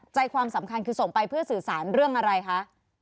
ความสำคัญคือส่งไปเพื่อสื่อสารเรื่องอะไรคะ